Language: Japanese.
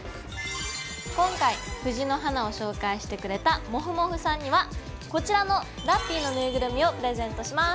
今回藤の花を紹介してくれたもふもふさんにはこちらのラッピィのぬいぐるみをプレゼントします！